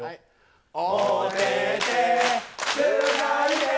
お手てつないで。